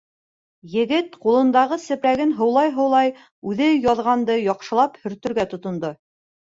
Егет ҡулындағы сепрәген һыулай-һыулай, үҙе яҙғанды яҡшылап һөртөргә тотондо.